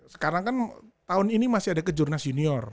sekarang kan tahun ini masih ada kejurnas junior